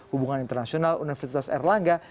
hubungan internasional universitas erlangga